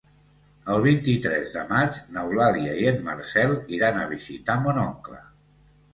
El vint-i-tres de maig n'Eulàlia i en Marcel iran a visitar mon oncle.